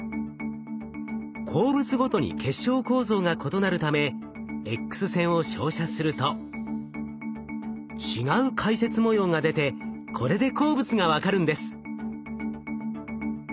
鉱物ごとに結晶構造が異なるためＸ線を照射すると違う回折模様が出てこれで鉱物が分かるんです。